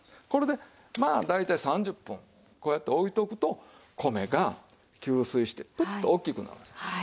これでまあ大体３０分こうやっておいておくと米が吸水してプッと大きくなるんです。